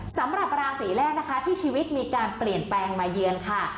สำหรับราศีแรกนะคะที่ชีวิตมีการเปลี่ยนแปลงมาเยือนค่ะ